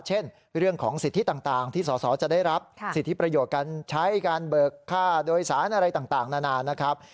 เช่นเรื่องของสิทธิต่างที่สอสอจะได้รับสิทธิประโยชน์การใช้การเบิกค่าโดยสารอะไรต่างนานานะครับ